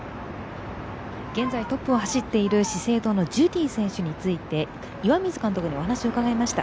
現在トップを走っているジュディ選手について、岩水監督にもお話を伺いました。